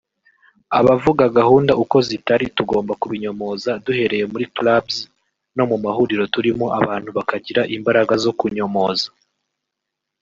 abavuga gahunda uko zitari tugomba kubinyomoza duhereye muri Clubs no mu mahuriro turimo abantu bakagira imbaraga zo kunyomoza